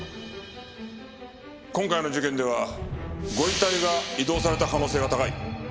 今回の事件ではご遺体が移動された可能性が高い。